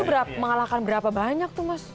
berapa mengalahkan berapa banyak tuh mas